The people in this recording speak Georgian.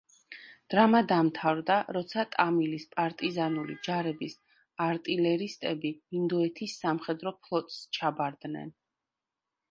დრამა დამთავრდა, როცა ტამილის პარტიზანული ჯარების არტილერისტები ინდოეთის სამხედრო ფლოტს ჩაბარდნენ.